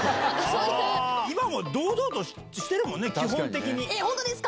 今も堂々としてるもんね、本当ですか？